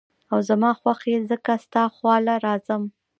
او زما خوښ ئې ځکه ستا خواله راځم ـ